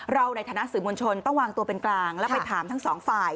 เราในฐานะสื่อมวลชนต้องวางตัวเป็นกลางแล้วไปถามทั้งสองฝ่าย